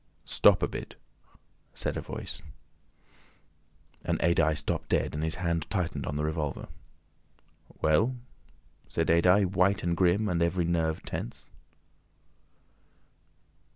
"Stop a bit," said a Voice, and Adye stopped dead and his hand tightened on the revolver. "Well?" said Adye, white and grim, and every nerve tense.